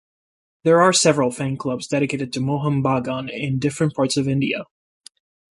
There are several fan clubs dedicated to Mohun Bagan in different parts of India.